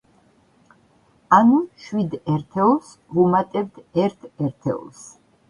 ანუ, შვიდ ერთეულს ვუმატებთ ერთ ერთეულს.